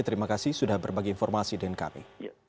terima kasih sudah berbagi informasi dengan kami